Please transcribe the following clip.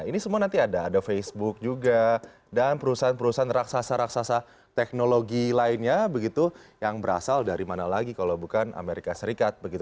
ini semua nanti ada ada facebook juga dan perusahaan perusahaan raksasa raksasa teknologi lainnya begitu yang berasal dari mana lagi kalau bukan amerika serikat begitu